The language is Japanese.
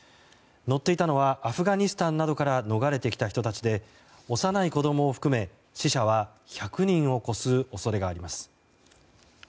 乗っていたのはアフガニスタンなどから逃れてきた人たちで幼い子供を含め死者は１００人を超す恐れがあります。